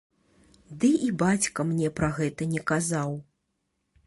Ды і бацька мне пра гэта не казаў.